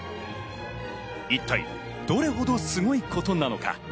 一体どれほどすごいことなのか。